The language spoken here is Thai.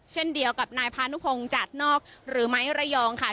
เช่นเดียวกับนายพานุพงศ์จัดนอกหรือไม้ระยองค่ะ